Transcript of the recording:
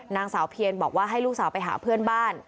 นางสาวเพียนบอกว่าให้ลูกสาวไปหาเพื่อนบ้าน